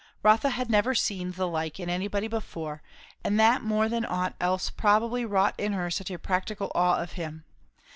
Rotha had never seen the like in anybody before; and that more than ought else probably wrought in her such a practical awe of him.